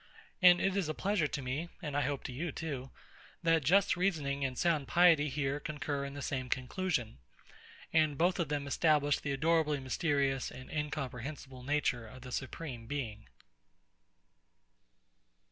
And it is a pleasure to me (and I hope to you too) that just reasoning and sound piety here concur in the same conclusion, and both of them establish the adorably mysterious and incomprehensible nature of the Supreme Being.